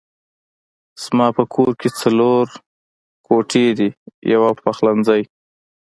زما په کور کې څلور کوټې دي يو پخلنځی دی